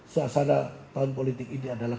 suasana tahun politik ini adalah